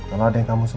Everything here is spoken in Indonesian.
aku udah tau